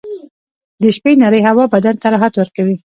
• د شپې نرۍ هوا بدن ته راحت ورکوي.